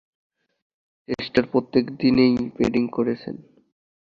টেস্টের প্রত্যেক দিনেই ব্যাটিং করেছেন।